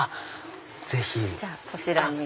ぜひ！じゃあこちらに。